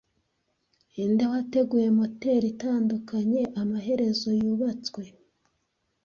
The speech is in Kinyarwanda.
Ninde wateguye moteri itandukanye amaherezo yubatswe